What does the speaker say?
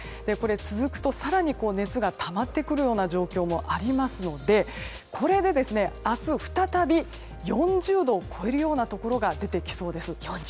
続くと更に熱がたまってくる状況もありますのでこれで明日、再び４０度を超えるようなところが出てきそうです。